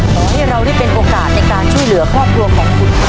ขอให้เราได้เป็นโอกาสในการช่วยเหลือครอบครัวของคุณ